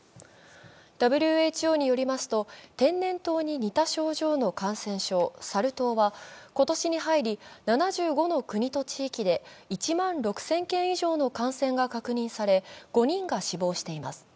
ＷＨＯによりますと、天然痘に似た症状の感染症、サル痘は今年に入り、７５の国と地域で１万６０００件以上の感染が確認され、５人が死亡しています。